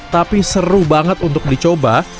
tapi seru banget untuk dicoba